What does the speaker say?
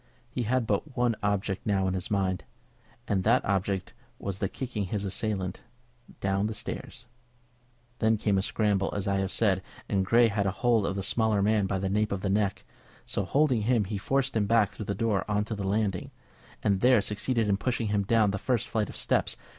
He had but one object now in his mind, and that object was the kicking his assailant down the stairs. Then came a scramble, as I have said, and Grey had a hold of the smaller man by the nape of his neck. So holding him he forced him back through the door on to the landing, and there succeeded in pushing him down the first flight of steps.